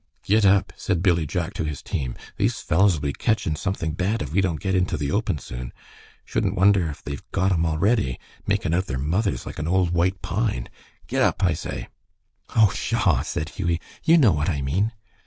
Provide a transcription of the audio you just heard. "Git ep!" said Billy Jack to his team. "These fellows'll be ketchin' something bad if we don't get into the open soon. Shouldn't wonder if they've got 'em already, making out their mothers like an old white pine. Git ep, I say!" "Oh, pshaw!" said Hughie, "you know what I mean."